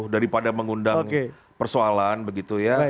daripada mengundang persoalan begitu ya